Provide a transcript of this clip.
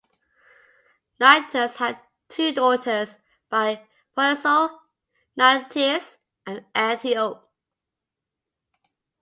Nycteus had two daughters by Polyxo, Nycteis and Antiope.